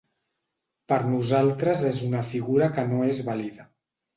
Per nosaltres és una figura que no és vàlida.